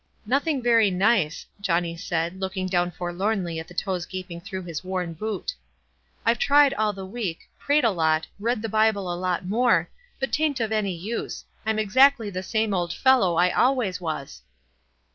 "Nothing very nice," Johnny said, looking down forlornly at the toes gaping through his worn boot. "Tve tried ail the week, prayed a lot, read the Bible a lot more, but 'tain't of any WISE AND OTHERWISE. 239 use. Fm exactly the same old fellow I always was."